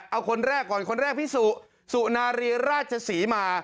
เอาคนแรกก่อนคนแรกพี่สุสุนารีราชศรีมา